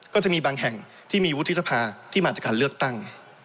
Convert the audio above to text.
ก็จะมีบางแห่งที่มีวุฒิสภาที่มาจากการเลือกตั้ง